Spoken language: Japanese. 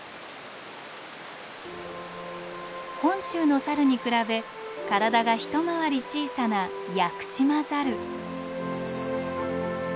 本州のサルに比べ体が一回り小さなヤクシマザル。